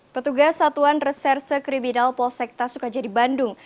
petugas satuan reserse kriminal polsekta sukajadi bandung